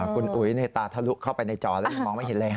คุณอุ๋ยตาทะลุเข้าไปในจอแล้วยังมองไม่เห็นเลยฮ